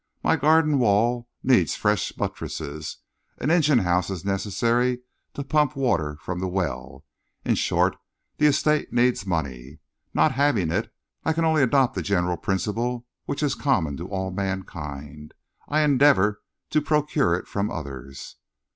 My garden wall needs fresh buttresses, an engine house is necessary to pump water from the well in short, the estate needs money. Not having it, I can only adopt the general principle which is common to all mankind. I endeavour to procure it from others."